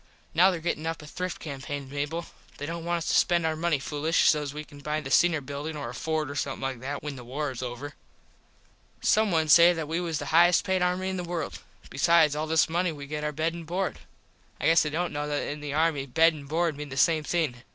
Now there gettin up a thrift campain Mable. They dont want us to spend our money foolish sos we can buy the Singer Buildin or a Ford or somethin like that when the war is over. Some one say that we was the highest payed army in the world. Besides all this money we get our bed and board. I guess they dont know that in the army bed and board mean the same thing.